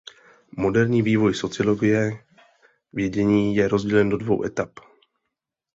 Moderní vývoj sociologie vědění je rozdělen do dvou etap.